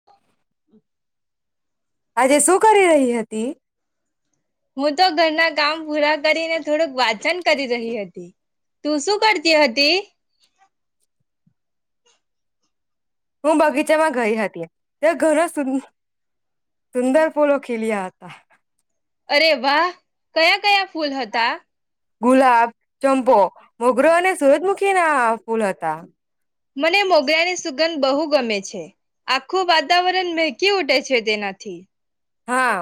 [inaudible] આજે શું કરી રહી હતી હું તો ઘરના કામ પૂરા કરીને થોડુક વાચન કરી રહી હતી તું શું કરતી હતી હું બગીચામાં ગઈ હતી તો ઘણું સુન સુંદર ફૂલો ખીલ્યા હતા અરે વાહ કયા કયા ફૂલ હતા ગુલાબ, ચંપો, મોગરો અને સુરજમુખી ના ફૂલ હતા મને મોગરાની સુગંધ બહુ ગમે છે આખું વાતાવરણ બેહકી ઉઠે છે તેનાથી હા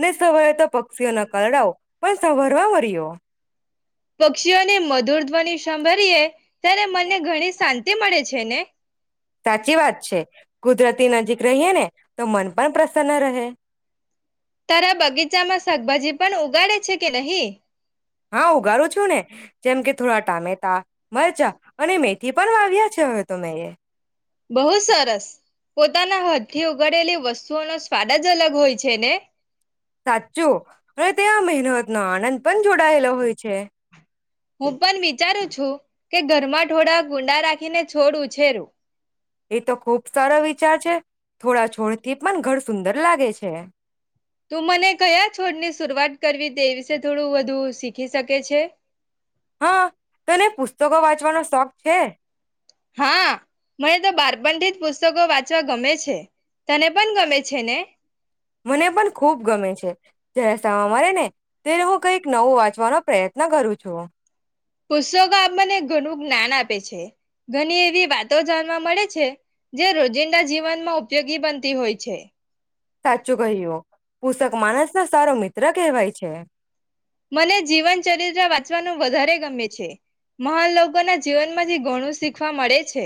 ને સવારે તો પક્ષીઓને કલડાવ પણ સવારવા મર્યો પક્ષીઓને મત દૂરધ્વનિ સંભરીએ ત્યારે મને ઘણી શાંતિ મળે છે ને સાચી વાત છે કુદરતી નજીક રહીએ ને તો મન પણ પ્રસન્ન રહે તારા બગીચામાં શાકભાજી પણ ઉગાડે છે કે નહી હા ઉગારું છું ને જેમ કે થોડા ટામેટા, મરચા અને મેથી પણ વાવ્યા છે હવે તો મેં એ બહુ સરસ પોતાના હથ થી ઉગડેલી વસ્તુઓનો સ્વાદ જ અલગ હોય છે ને સાચું હ તે આ મહેનત નો આનંદ પણ જોડાયેલો હોય છે હું પણ વિચારું છું કે ઘરમાં થોડાક કુડા રાખીને છોડ ઉછેરું એ તો ખુબ સારો વિચાર છે થોડા છોડ થી પણ ઘર સુંદર લાગે છે તું મને કયા છોડની શરૂઆત કરવી તે વિશે થોડું વધુ શીખી શકે છે હા તોને પુસ્તકો વાંચવાનો શોખ છે હા મને તો બારપનથી જ પુસ્તકો વાંચવા ગમે છે તને પન ગમે છે ને મને પણ ખુબ ગમે છે જરા સમ મળે ને તેને હું કઈક નવું વાંચવાનો પ્રયત્ન કરું છું. પુસ્તકો આપણે મને ઘણું જ્ઞાન આપે છે ઘણી એવી વાતો જાણવા મળે છે. જે રોજીંદા જીવનમાં ઉપયોગી બનતી હોય છે. સાચું કહ્યું પુષક માણસ નો સારો મિત્ર કહેવાય છે. મને જીવન ચરિત્ર વાંચવાનું વધારે ગમે છે. મહાન લોકો ના જીવન માંથી ઘણું શીખવા મળે છે.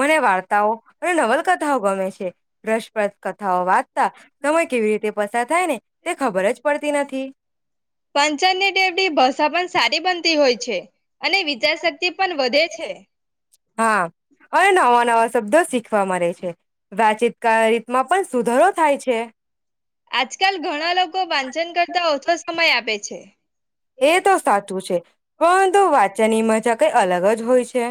મને વાર્તાઓ અને નવલકથાઓ ગમે છે. ભષપ્રદ કથાઓ વાંચતા સમય કેવી રીતે પસાર થાય ને તે ખબર જ પડતી નથી. પંચનની દેવડી ભાષા પણ સારી બનતી હોય છે અને વિચાર શક્તિ પણ વધે છે હા અને નવા નવા શબ્દો શીખવા મળે છે. વાતચીત કા રીતમાં પણ સુધારો થાય છે. આજકાલ ઘણા લોકો વાંચન કરતા ઓછો સમય આપે છે. એ તો સાચું છે પરંતુ વાચનની મજા કઈ અલગ જ હોય છે.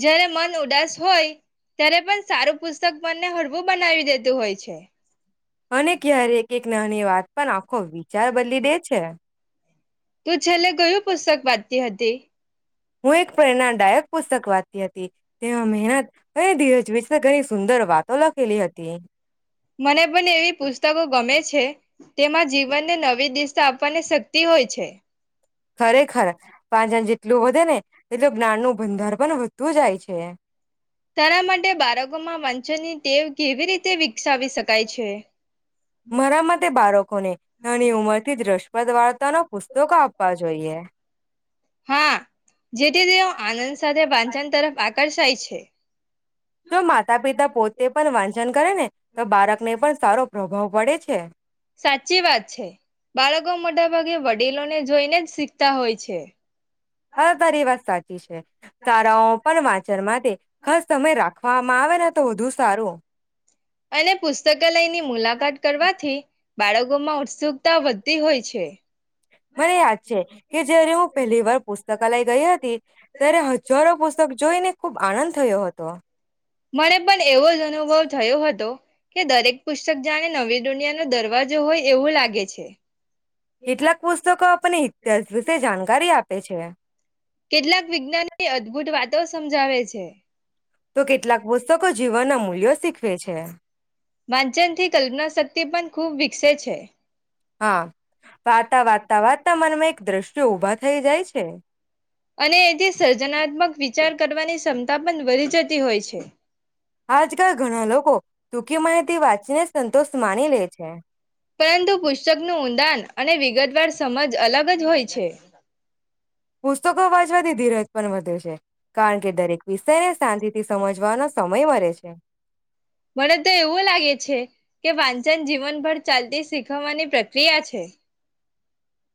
જયારે મન ઉદાસ હોય ત્યારે પણ સારું પુસ્તક મને હળવું બનાવી દેતું હોય છે. અને ક્યારે એક એક નાની વાત પણ આખો વિચાર બદલી દે છે. તું છેલ્લે કયું પુસ્તક વાંચતી હતી. હું એક પ્રેરણાદાયક પુસ્તક વાંચતી હતી. તેમાં મહેનત કરી ધીરજ વિશે ઘણી સુંદર વાતો લખેલી હતી. મને પણ એવી પુસ્તકો ગમે છે. તેમાં જીવનને નવી દિશા આપવાની શક્તિ હોય છે. ખરેખર પાંચ આંજ જેટલું વધે ને એટલું જ્ઞાન નું ભંદાર પણ વધતું જાય છે. તાર માટે બાળકો માં વાંચન ની ટેવ કેવી રીતે વિકસાવી શકાય છે મારા મતે બાળકોને ઘની ઉંમર થી રષ્ટપદ વાર્તા નો પુસ્તકો આપવા જોઈએ. હા. જેથી તેઓ આનંદ સાથે વાંચન તરફ આકર્ષાય છે. જો માતા પિતા પોતે પણ વાંચન કરે ને તો બાળક ને પણ સારો પ્રભાવ પડે છે. સાચી વાત છે બાળકો મોટાભાગે વડીલો ને જોઈને જ શીખતા હોય છે. હા તારી વાત સાચી છે શાળાઓ પણ વાંચન માટે ખાસ તમે રાખવામાં આવે ને તો વધુ સારું અને પુસ્તકાલયની મુલાકાત કરવાથી બાળકો માં ઉત્સુકતા વધતી હોય છે. મને યાદ છે કે જયારે હું પહેલી વાર પુસ્તકાલય ગઈ હતી. ત્યારે હજારો પુસ્તક જોઈને ખુબ આનંદ થયો હતો. મને પણ એવો જ અનુભવ થયો હતો. કે દરેક પુસ્તક જાણે નવી દુનિયા નો દરવાજો હોય એવું લાગે છે. કેટલાક પુસ્તકો આપને ઇતિહાસ વિશે જાણકારી આપે છે. કેટલાક વિજ્ઞાની અદભુત વાતો સમજાવે છે. તો કેટલાક પુસ્તકો જીવનના મૂલ્યો શીખવે છે. વાંચન થી કલ્પના શક્તિ પણ ખૂબ વિકસે છે. હા વાતા વાતા વાતતા મનમાં એક દ્રશ્ય ઊભા થઈ જાય છે. અને એથી સર્જનાત્મક વિચાર કરવાની ક્ષમતા પણ વધી જતી હોય છે. આજકાલ ઘણા લોકો ટૂકી મય થી વાંચીને સંતોષ માની લે છે. પરંતુ પુસ્તકનું ઊંડાણ અને વિગતવાર સમજ અલગ જ હોય છે. પુસ્તકો વાંચવાથી ધીરજ પણ વધે છે કારણ કે દરેક વિષય ને શાંતિ થી સમજવાનો સમય મળે છે. મને તો એવું લાગે છે કે વાંચન જીવનભર ચાલતી શીખવવાની પ્રક્રિયા છે.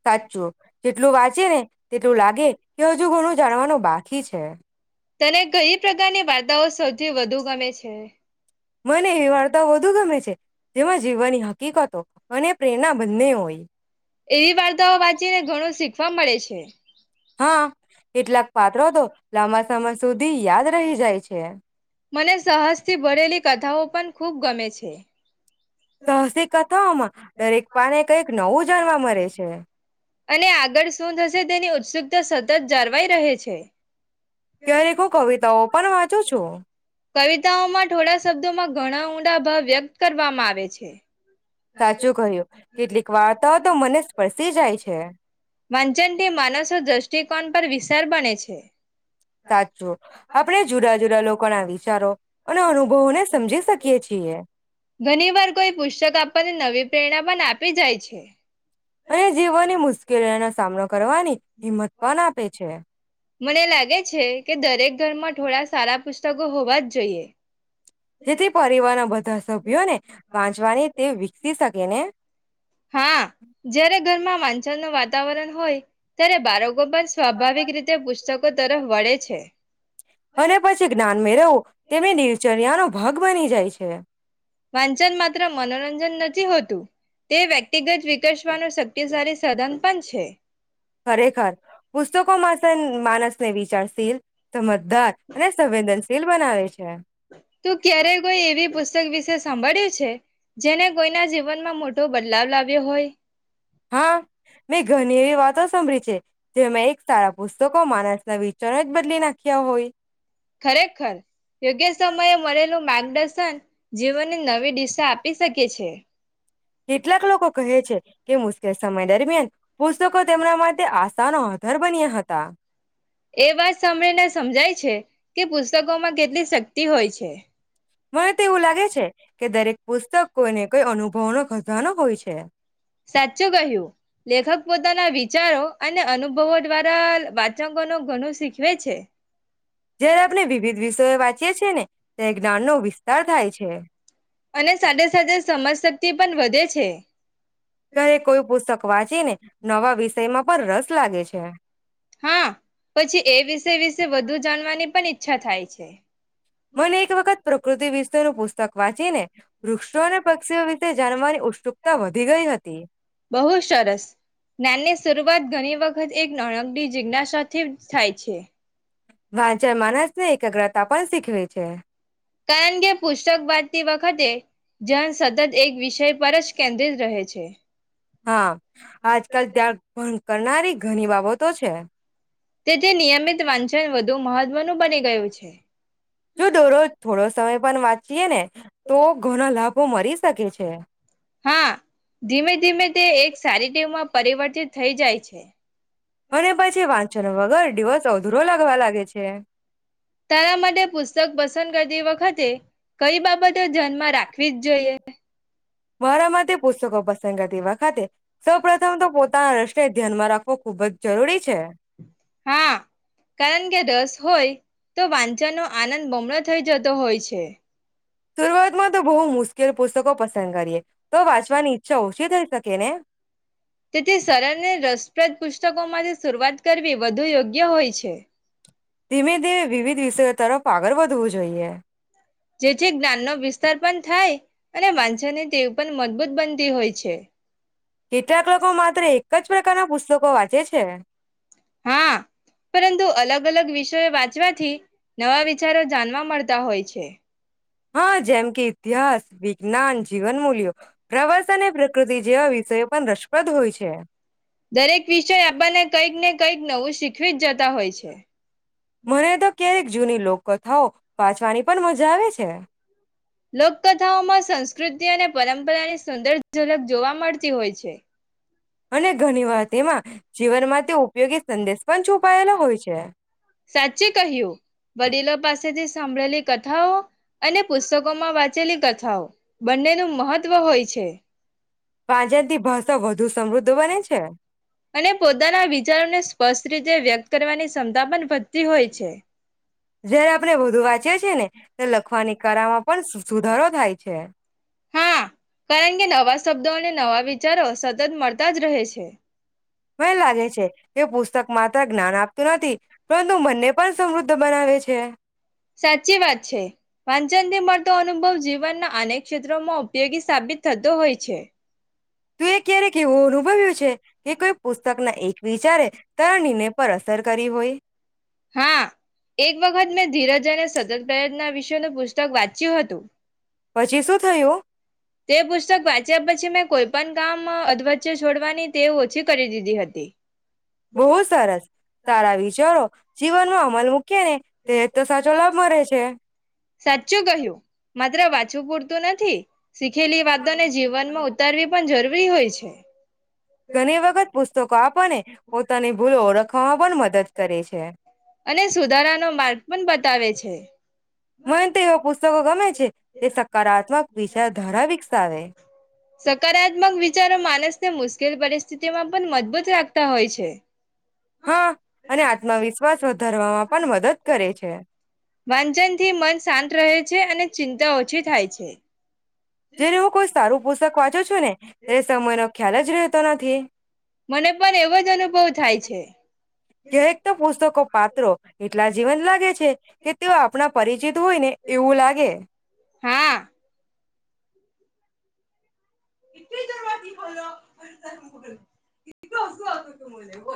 સાચું જેટલું વાંચે ને તેટલું લાગે કે હજુ ઘણું જાણવાનું બાકી છે. તને કઈ પ્રકારની વાર્તાઓ સૌથી વધુ ગમે છે. મને એ વાર્તા વધુ ગમે છે. જેમાં જીવવાની હકીકતો અને પ્રેરણા બંને હોય. એવી વાર્તાઓ વાંચીને ઘણું શીખવા મળે છે. હા કેટલાક પાત્રો તો લાંબા સમય સુધી યાદ રહી જાય છે. મને સાહસથી ભરેલી કથાઓ પણ ખુબ ગમે છે. સહસી કથાઓમાં દરેક પાને કઈક નવું જાણવા મળે છે. અને આગળ શું થશે તેની ઉત્સુકતા સતત જળવાઈ રહે છે. ક્યારેક હું કવિતાઓ પણ વાંચું છું. કવિતાઓમાં થોડા શબ્દોમાં ઘણા ઊંડા ભાવ વ્યક્ત કરવામાં આવે છે. સાચું કહ્યું. કેટલીક વાર્તાઓ તો મને સ્પર્શી જાય છે. વાંચનથી માનસો દ્રષ્ટિકોણ પર વિશર બને છે. સાચું. આપણે જુદા જુદા લોકોના વિચારો અને અનુભવોને સમજી શકીએ છીએ. ઘણી વાર કોઈ પુસ્તક આપણને નવી પ્રેરણા પણ આપી જાય છે. અને જીવનની મુશ્કેલીઓનો સામનો કરવાની હિંમત પણ આપે છે. મને લાગે છે કે દરેક ઘરમાં થોડા સારા પુસ્તકો હોવા જ જોઈએ. જેથી પરિવારના બધા સભ્યોને વાંચવાની તે વિકસી શકે ને. હા જયારે ઘરમાં વાંચનનું વાતાવરણ હોય ત્યારે બાળક કો પણ સ્વાભાવિક રીતે પુસ્તકો તરફ વળે છે. અને પછી જ્ઞાન મેળવવું તેમની દિનચર્યાનો ભાગ બની જાય છે. વાંચન માત્ર મનોરંજન નથી હોતું. તે વ્યક્તિગત વિકસવાનો શક્તિશાળી સધન પણ છે. ખરેખર પુસ્તકો માંસન માનસને વિચારશીલ સમજદાર અને સંવેદનશીલ બનાવે છે. તું ક્યારે કોઈ એવી પુસ્તક વિશે સાંભળ્યું છે? જેને કોઈના જીવનમાં મોટો બદલાવ લાવ્યો હોય? હા મેં ઘણી એવી વાતો સાભળી છે. જેમાં એક સારા પુસ્તકો માણસના વિ ચાર જ બદલી નાખ્યા હોય. ખરેખર યોગ્ય સમયે મલેલું માર્ગદર્શન જીવનને નવી દિશા આપી શકે છે. કેટલાક લોકો કહે છે કે મુશ્કેલ સમય દરમિયાન પુસ્તકો તેમના માટે આશાનો આધાર બન્યા હતા. એ વાત સાંભળીને સમજાય છે કે પુસ્તકોમાં કેટલી શક્તિ હોય છે. મને તો એવું લાગે છે કે દરેક પુસ્તક કોઈને કોઈ અનુભવનો ખજાનો હોય છે. સાચું કહ્યું. લેખક પોતાના વિચારો અને અનુભવો દ્વારા વાચકોનો ઘણું શીખવે છે. જયારે આપણે વિવિધ વિષયો વાંચીએ છીએ ને ત્યારે જ્ઞાનનો વિસ્તાર થાય છે. અને સાથે સાથે સમજ શક્તિ પણ વધે છે. ક્યારે કોઈ પુસ્તક વાંચીને નવા વિષયમાં પણ રસ લાગે છે. હા પછી એ વિષય વિશે વધુ જાણવાની પણ ઈચ્છા થાય છે. મને એક વખત પ્રકૃતિ વિષયનું પુસ્તક વાંચી ને વૃક્ષો અને પક્ષીઓ વિશે જાણવાની ઉત્સુકતા વધી ગઈ હતી. બહુ સરસ. જ્ઞાનની શરૂઆત ઘણી વખત એક નણકડી જિજ્ઞાસાથી જ થાય છે. વાંચન માણસને એકાગ્રતા પણ શીખવે છે. કારણ કે પુસ્તક વાંચતી વખતે ધ્યાન સતત એક વિષય પર જ કેન્દ્રિત રહે છે. હા આજકાલ ધ્યાન ભંગ કરનારી ઘણી બાબતો છે. તે જે નિયમિત વાંચન વધુ મહત્વનું બની ગયું છે. જો દોરોજ થોડો સમય પણ વાંચીએ ને તો ઘણા લાભો મરી શકે છે. હા ધીમે ધીમે તે એક સારી ટેવમાં પરિવર્તિત થઈ જાય છે. અને પછી વાંચન વગર દિવસ અધૂરો લાગવા લાગે છે. તારા માટે પુસ્તક પસંદ કરતી વખતે કઈ બાબતો ધ્યાન માં રાખવી જ જોઈએ? [unintelligible] મારા માટે પુસ્તકો પસંદ કરતી વખતે સૌપ્રથમ તો પોતાના રર્શને ધ્યાનમાં રાખવો ખુબ જ જરૂરી છે. હા. કારણ કે રસ હોય તો વાંચનો આનંદ બણલો થઈ જતો હોય છે. શરૂઆતમાં તો બહું મુશ્કેલ પુસ્તકો પસંદ કરીએ તો વાંચવાની ઈચ્છા ઓછી થઈ શકે ને? તેથી સરળ ને રસપ્રદ પુસ્તકોમાંથી શરૂઆત કરવી વધુ યોગ્ય હોય છે. ધીમે ધીમે વિવિધ વિષયો તરફ આગળ વધવું જોઈએ. જેથી જ્ઞાનનો વિસ્તાર પણ થાય અને વાંચની ટેવ પણ મજબૂત બનતી હોય છે. કેટલાક લોકો માત્ર એક જ પ્રકારના પુસ્તકો વાંચે છે. હા પરંતુ અલગ અલગ વિષયો વાંચવાથી નવા વિચારો જાણવા મળતા હોય છે. હા જેમ કે ઇતિહાસ વિજ્ઞાન જીવન મૂલ્યો પ્રવાસ અને પ્રકૃતિ જેવા વિષયો પણ રસપ્રદ હોય છે. દરેક વિષય આપણને કંઈક ને કંઈક નવું શીખવી જ જતા હોય છે. મને તો ક્યારેક જૂની લોક કથાઓ વાંચવાની પણ મજા આવે છે. લોકથાઓમાં સંસ્કૃતિ અને પરંપરાની સુંદર ઝલક જોવા મળતી હોય છે. અને ઘણી વાર તેમાં જીવન માં તે ઉપયોગી સંદેશ પણ છુપાયેલા હોય છે. સાચી કહ્યું વડીલો પાસેથી સાંભળેલી કથાઓ અને પુસ્તકોમાં વાંચેલી કથાઓ બંનેનું મહત્વ હોય છે. પાંજરતી ભાષા વધુ સમૃદ્ધ બને છે. અને પોતાના વિચારોને સ્પષ્ટ રીતે વ્યક્ત કરવાની ક્ષમતા પણ વધતી હોય છે. જયારે આપણે વધુ વાંચીએ છીએ ને લખવાની કળામાં પણ સુધારો થાય છે. હા કારણ કે નવા શબ્દો અને નવા વિચારો સતત મળતા જ રહે છે. મને લાગે છે એ પુસ્તક માત્ર જ્ઞાન આપતું નથી પરંતુ મને પણ સમૃદ્ધ બનાવે છે. સાચી વાત છે. વાંચનથી મળતો અનુભવ જીવનના અનેક ક્ષેત્રોમાં ઉપયોગી સાબિત થતો હોય છે. તે ક્યારે એવું અનુભવ્યું છે. કે કોઈ પુસ્તક ના એક વિચારે તારા નિર્ણય પર અસર કરી હોય. હા. એક વખત મેં ધીરજને સતત પ્રયત્ના વિષનું પુસ્તક વાંચ્યું હતું. પછી શું [unintelligible] [inaudible] તે પુસ્તક વાંચ્યા પછી મેં કોઈપણ કામ અધવચ્ચે છોડવાની તે ઓછી કરી દીધી હતી. બહું સરસ તારા વિચારો જીવનમાં અમૂલ મૂકીએ ને ત્યારે તો સાચો લાભ મળે છે. સાચું કહ્યું માત્ર વાંચું પુરતું નથી. શીખેલી વાતોને જીવનમાં ઉતારવી પણ જરૂરી હોય છે. ઘણી વખત પુસ્તકો આપવાને પોતાની ભૂલો ઓળખવામાં પણ મદદ કરે છે. અને સુધારાનો માર્ગ પણ બતાવે છે. મને એવા પુસ્તકો ગમે છે, તે સકારાત્મક વિચારધારા વિકસાવે. સકારાત્મક વિચારો માણસને મુશ્કેલ પરિસ્થિતિમાં પણ મજબૂત રાખતા હોય છે. હા, અને આત્મવિશ્વાસ વધારવામાં પણ મદદ કરે છે. વાંચનથી મન શાંત રહે છે, અને ચિંતા ઓછી થાય છે. જ્યારે હું કોઈ સારું પુસ્તક વાંચું છું, ને ત્યારે સમયનો ખ્યાલ જ રહેતો નથી. મને પણ એવો જ અનુભવ થાય છે. ક્યારેક તો પુસ્તકો પાત્રો એટલા જીવંત લાગે છે, કે તેઓ આપણા પરિચિત હોયને એવું લાગે. હા [inaudible] એટ તમામ [inaudible]